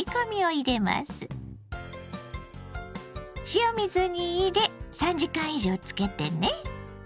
塩水に入れ３時間以上つけてね。